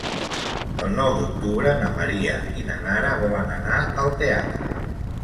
El nou d'octubre na Maria i na Nara volen anar al teatre.